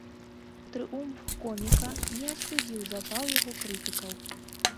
Трыумф коміка не астудзіў запал яго крытыкаў.